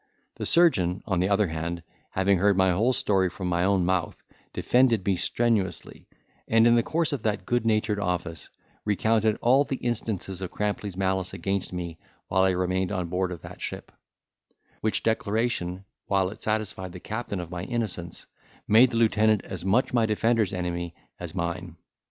The surgeon, on the other hand, having heard my whole story from my own mouth, defended me strenuously, and in the course of that good natured office recounted all the instances of Crampley's malice against me while I remained on board of that ship; which declaration, while it satisfied the captain of my innocence, made the lieutenant as much my defender's enemy as mine.